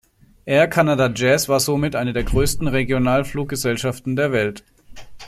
Air Canada Jazz war somit eine der größten Regionalfluggesellschaften der Welt.